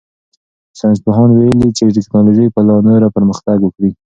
ساینس پوهانو ویلي چې تکنالوژي به لا نوره پرمختګ وکړي.